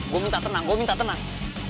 gue minta tenang gue minta tenang